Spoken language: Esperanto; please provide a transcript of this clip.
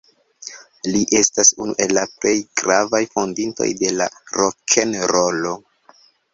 Li estas unu el la plej gravaj fondintoj de la rokenrolo.